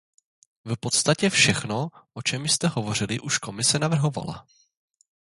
V podstatě všechno, o čem jste hovořili, už Komise navrhovala.